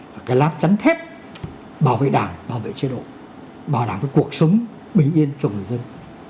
và cái lát chắn thép bảo vệ đảng bảo vệ chế độ bảo đảm cái cuộc sống bình yên cho người dân